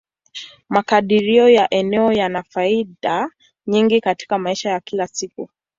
Makadirio ya eneo yana faida nyingi katika maisha ya kila siku.